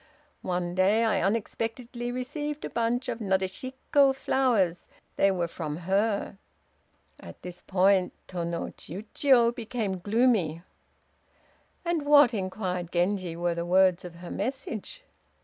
One day I unexpectedly received a bunch of Nadeshiko flowers. They were from her." At this point Tô no Chiûjiô became gloomy. "And what," inquired Genji, "were the words of her message?"